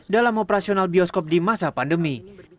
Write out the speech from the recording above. dalam operasional bioskop di masa pandemi